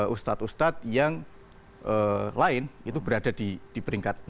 ustadz ustadz yang lain itu berada di peringkat